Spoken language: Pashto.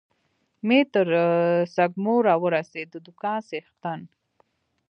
مې تر سږمو را ورسېد، د دوکان څښتن.